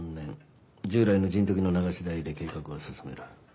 従来のジントギの流し台で計画は進める。